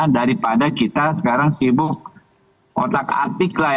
daripada kita sekarang sibuk otak atik lah ya